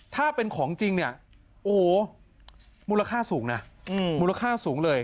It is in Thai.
ถ้าเป็นของจริงเนี่ยโอ้โหมูลค่าสูงนะมูลค่าสูงเลย